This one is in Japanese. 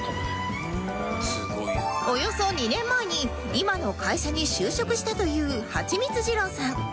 およそ２年前に今の会社に就職したというハチミツ二郎さん